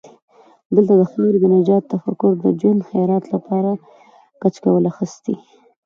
دلته د خاورې د نجات تفکر د ژوند خیرات لپاره کچکول اخستی.